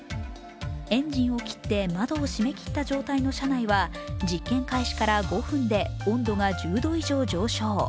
エンジンを切って窓を閉め切った状態の車内は、実験開始から５分で温度が１０度以上上昇。